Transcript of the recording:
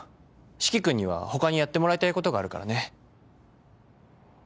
四鬼君には他にやってもらいたいことがあるからね。